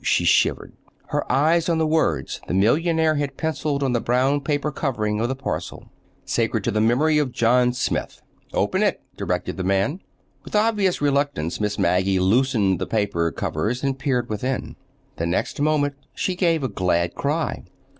she shivered, her eyes on the words the millionaire had penciled on the brown paper covering of the parcel. Sacred to the memory of John Smith. "Open it," directed the man. With obvious reluctance Miss Maggie loosened the paper covers and peered within. The next moment she gave a glad cry.